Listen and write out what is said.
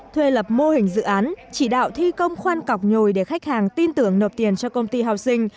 thuê lập mô hình dự án chỉ đạo thi công khoan cọc nhồi để khách hàng tin tưởng nộp tiền cho công ty học sinh